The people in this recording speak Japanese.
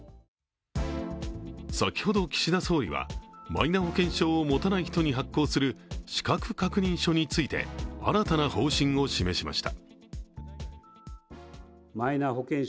先ほど岸田総理はマイナ保険証を持たない人に発行する資格確認書について新たな方針を示しました。